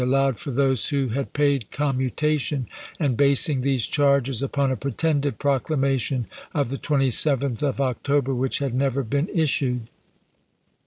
allowed for those who had paid commutation, and basing these charges upon a pretended proclama tion of the 27th of October which had never been issued.